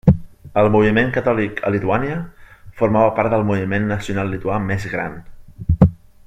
El moviment catòlic a Lituània formava part del moviment nacional lituà més gran.